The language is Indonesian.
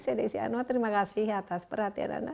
saya desi anwar terima kasih atas perhatian anda